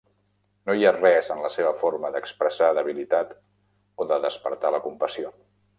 No hi ha res en la seva forma d'expressar debilitat o de despertar la compassió.